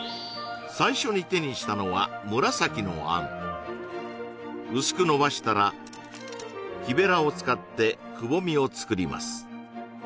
最初に手にしたのは紫のあん薄くのばしたら木べらを使ってくぼみを作ります